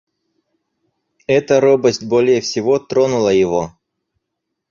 Эта робость более всего тронула его.